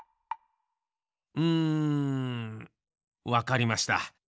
うんわかりました。